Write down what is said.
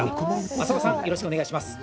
浅羽さん、よろしくお願いします。